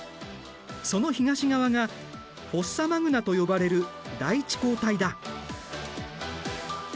その東側がフォッサマグナと呼ばれる大地溝帯だ。